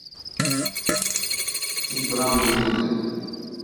Тик бынау ере генә...